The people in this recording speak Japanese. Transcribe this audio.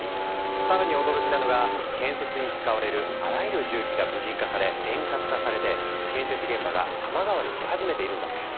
更に驚きなのが建設に使われるあらゆる重機が無人化され遠隔化されて建築現場が様変わりし始めているんだって！